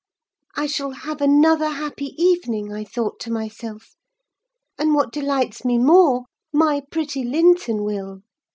I shall have another happy evening, I thought to myself; and what delights me more, my pretty Linton will.